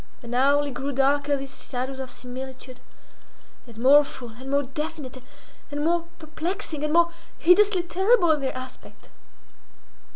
And hourly grew darker these shadows of similitude, and more full, and more definite, and more perplexing, and more hideously terrible in their aspect.